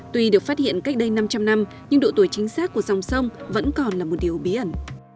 tuy được phát hiện cách đây năm trăm linh năm nhưng độ tuổi chính xác của dòng sông vẫn còn là một điều bí ẩn